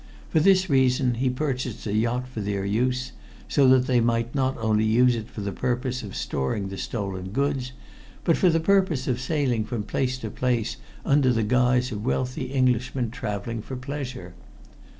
For this reason he purchased a yacht for their use, so that they might not only use it for the purpose of storing the stolen goods, but for the purpose of sailing from place to place under the guise of wealthy Englishmen traveling for pleasure.